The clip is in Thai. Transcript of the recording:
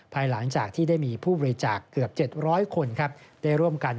ภายหลังจากที่ได้มีผู้บริจาคเกือบ๗๐๐คนได้ร่วมกัน